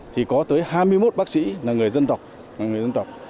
thì có tới hai mươi một bác sĩ là người dân tộc